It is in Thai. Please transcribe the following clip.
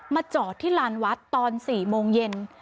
จอดที่ลานวัดตอน๔โมงเย็น